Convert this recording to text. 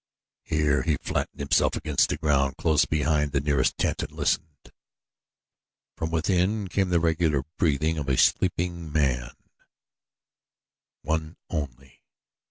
Here he flattened himself against the ground close behind the nearest tent and listened. From within came the regular breathing of a sleeping man one only.